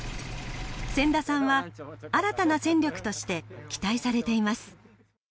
千田さんは新たな戦力として期待されています。